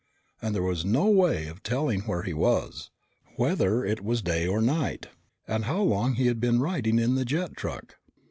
And there was no way of telling where he was, whether it was day or night, and how long he had been riding in the jet truck.